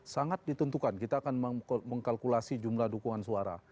sangat ditentukan kita akan mengkalkulasi jumlah dukungan suara